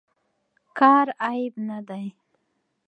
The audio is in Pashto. کار عیب نه دی.